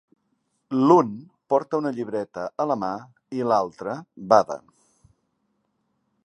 L'un porta una llibreta a la mà i l'altre bada.